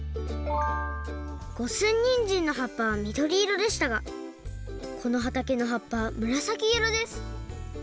五寸にんじんのはっぱはみどり色でしたがこのはたけのはっぱはむらさき色です。